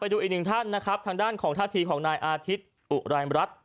ดูอีกหนึ่งท่านนะครับทางด้านของท่าทีของนายอาทิตย์อุรายรัฐ